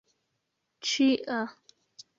ĉia